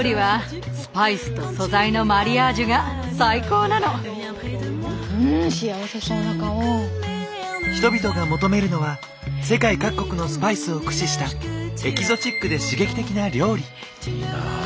コロナ禍人々が求めるのは世界各国のスパイスを駆使したエキゾチックで刺激的な料理。